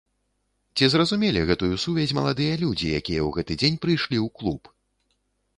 Ці зразумелі гэтую сувязь маладыя людзі, якія ў гэты дзень прыйшлі ў клуб?